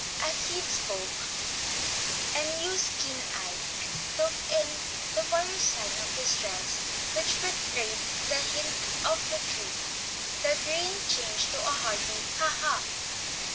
As Sid spoke and Hugh's keen eye took in the various signs of distress which betrayed a hint of the truth, the grin changed to a hearty "Ha! ha!"